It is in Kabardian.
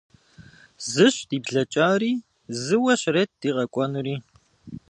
Зыщ ди блэкӀари, зыуэ щрет ди къэкӀуэнури.